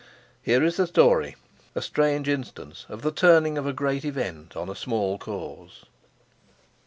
Here is the story, a strange instance of the turning of a great event on a small cause.